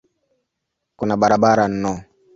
Kuna barabara no.